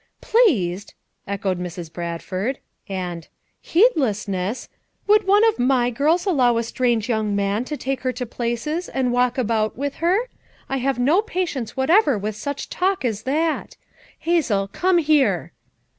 "'Pleased!'" echoed Mrs. Bradford; and u 'Heedlessness!' Would one of my girls al low a strange young man to take her to places, and walk about with her? I have no patience whatever with such talk as that. Hazel, come here!"